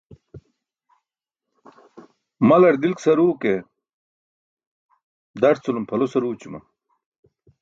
Malar dilk saruu ke, darculum pʰalo saruućuma.